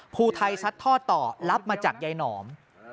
ภูไทยซัดทอดต่อรับมาจากยายหนอม